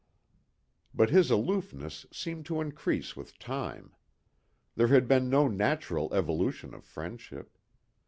But his aloofness seemed to increase with time. There had been no natural evolution of friendship.